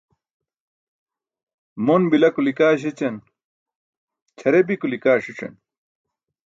Mon bila kuli kaa śećan, ćʰare bi kuli kaa ṣic̣an.